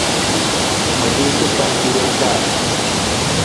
Ma hiisu pancirang ta.